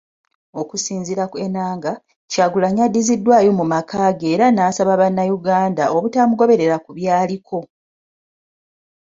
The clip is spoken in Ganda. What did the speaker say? Okusinziira ku Enanga, Kyagulanyi yaddiziddwayo mu maka ge era n'asaba bannayuganda obutamugoberera ku byaliko.